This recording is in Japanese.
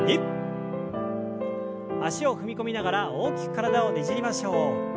脚を踏み込みながら大きく体をねじりましょう。